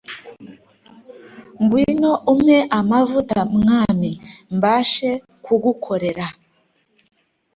Ngwino umpe amavuta mwami mbashe kugukorera